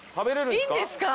いいんですか？